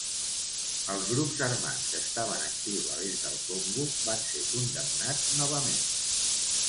Els grups armats que estaven actius a l'est del Congo van ser condemnats novament.